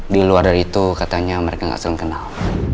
di luar dari itu katanya mereka gak selalu kenal